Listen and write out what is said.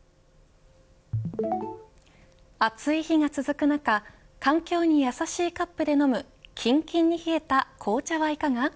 暑い日が続く中環境に優しいカップで飲むきんきんに冷えた紅茶はいかが。